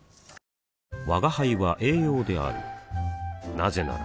なぜなら